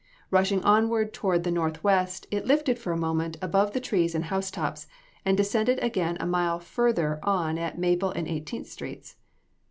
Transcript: Rushing onward toward the northwest it lifted for a moment above the trees and housetops, and descended again a mile further on at Maple and Eighteenth streets.